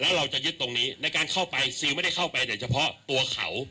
แล้วเราจะยึดตรงนี้ในการเข้าไปซิลไม่ได้เข้าไปโดยเฉพาะตัวเขา